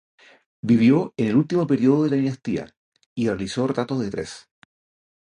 Vivió en el último período de la dinastía y realizó retratos de tres